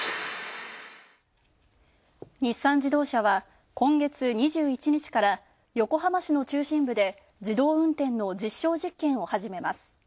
日産自動車は今月２１日から横浜市の中心部で自動運転の実証実験を始めます。